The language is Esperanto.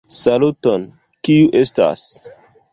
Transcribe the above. Saluton, kiu estas?